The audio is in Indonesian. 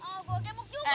kasih bang koran koran